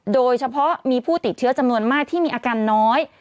โดยเฉพาะมีผู้ติดเชื้อจำนวนมากที่มีอาการน้อย